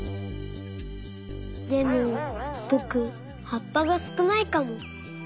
でもぼくはっぱがすくないかも。